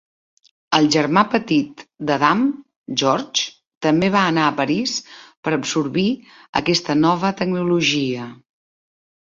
El germà petit d'Adam, George, també va anar a París per absorbir aquesta nova tecnologia.